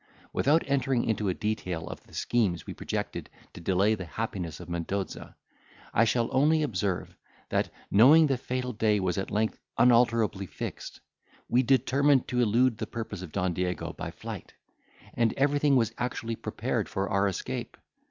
"Without entering into a detail of the schemes we projected to delay the happiness of Mendoza, I shall only observe, that, knowing the fatal day was at length unalterably fixed, we determined to elude the purpose of Don Diego by flight; and everything was actually prepared for our escape.